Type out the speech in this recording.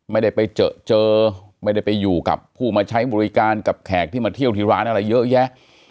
ไม่ได้ไปเจอเจอไม่ได้ไปอยู่กับผู้มาใช้บริการกับแขกที่มาเที่ยวที่ร้านอะไรเยอะแยะ